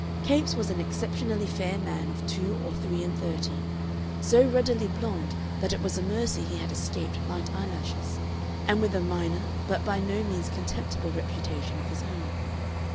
Capes was an exceptionally fair man of two or three and thirty, so ruddily blond that it was a mercy he had escaped light eyelashes, and with a minor but by no means contemptible reputation of his own.